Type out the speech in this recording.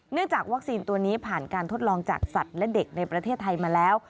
จากวัคซีนตัวนี้ผ่านการทดลองจากสัตว์และเด็กในประเทศไทยมาแล้ว